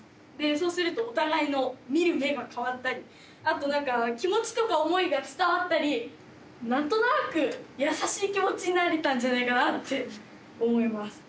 そうするとお互いの見る目が変わったりあとなんか気持ちとか思いが伝わったりなんとなく優しい気持ちになれたんじゃないかなって思います。